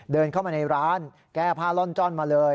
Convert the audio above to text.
เดินเข้ามาในร้านแก้ผ้าล่อนจ้อนมาเลย